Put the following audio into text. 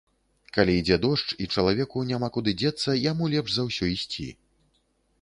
Калі ідзе дождж і чалавеку няма куды дзецца, яму лепш за ўсё ісці.